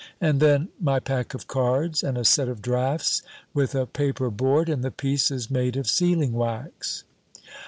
And then, my pack of cards, and a set of draughts, with a paper board and the pieces made of sealing wax."